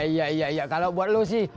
iya iya kalau buat lo sih